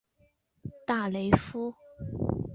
大雷夫。